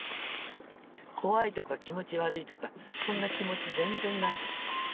怖いとか気持ち悪いとかそんな気持ち全然ないですよ。